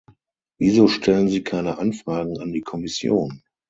Wieso stellen Sie keine Anfragen an die Kommission?